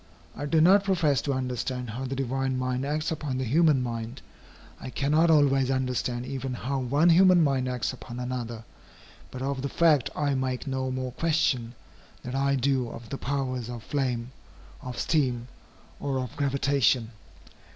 I do not profess to understand how the divine mind acts upon the human mind. I cannot always understand even how one human mind acts upon another. But of the fact I make no more question, than I do of the powers of flame, of steam, or of gravitation.